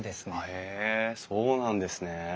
へえそうなんですね。